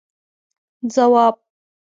ځواب: